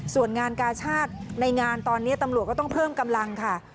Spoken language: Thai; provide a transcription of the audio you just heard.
ส่วนงานกาชาติในงานตอนนี้ตำรวจก็ต้องเพิ่มกำลังค่ะ